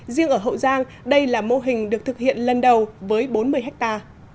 riêng ở hậu giang đây là mô hình được thực hiện lần đầu với bốn mươi ha